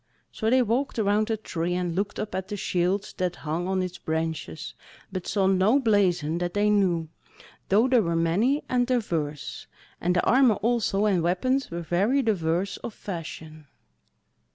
So they walked around the Tree, and looked up at the shields that hung on its branches, but saw no blazon that they knew, though they were many and diverse; and the armour also and weapons were very diverse of fashion.